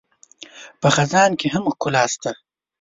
په خزان کې هم ښکلا شته